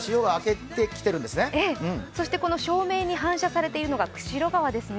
そして照明に反射されているのが釧路川ですね。